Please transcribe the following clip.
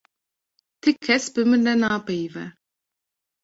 Ti kes bi min re napeyive.